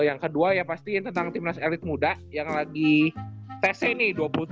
yang kedua ya pastinya tentang timnas elit muda yang lagi tese nih